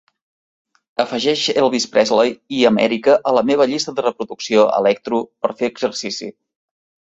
afegeix Elvis Presley i Amèrica a la meva llista de reproducció Electro per fer exercici